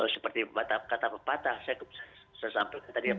seperti kata pepatah saya sampai tadi